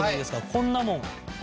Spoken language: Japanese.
こんなもん。